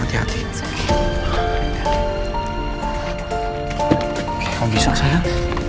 oke kebisa sayang